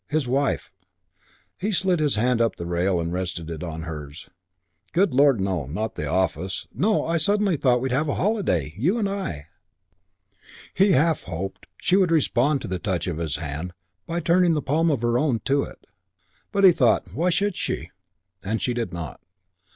His wife!... He slid his hand up the rail and rested it on hers. "Good lord, no. Not the office. No, I suddenly thought we'd have a holiday. You and I." He half hoped she would respond to the touch of his hand by turning the palm of her own to it. But he thought, "Why should she?" and she did not.